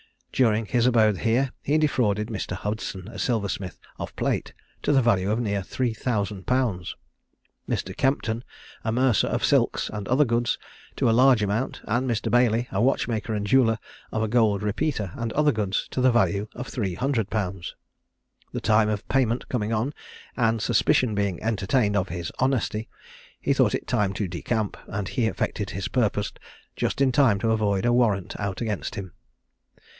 During his abode here he defrauded Mr. Hudson, a silversmith, of plate, to the value of near three thousand pounds; Mr. Kempton, a mercer, of silks, and other goods, to a large amount; and Mr. Bailey, a watchmaker and jeweller, of a gold repeater, and other goods, to the value of three hundred pounds. The time of payment coming on, and suspicion being entertained of his honesty, he thought it time to decamp, and he effected his purpose just in time to avoid a warrant out against him.